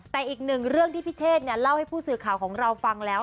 แต่อีกหนึ่งเรื่องที่พี่เชษเล่าให้ผู้สื่อข่าวของเราฟังแล้ว